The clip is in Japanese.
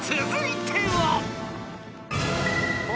［続いては］